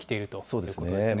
そうですね。